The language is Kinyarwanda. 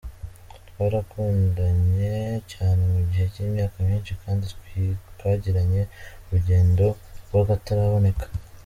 Twarakundanye cyane mu gihe cy’imyaka myinshi kandi twagiranye urugendo rw’akataraboneka.